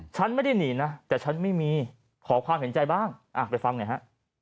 ฉันไม่ได้หนีนะแต่ฉันไม่มีขอความเห็นใจบ้างไปฟังหน่อยฮะ